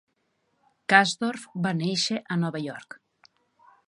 Kasdorf va néixer a Nova York.